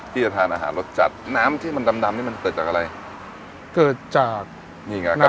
ที่จะทานอาหารรสจัดน้ำที่มันดำดำนี่มันเกิดจากอะไรเกิดจากนี่ไงครับ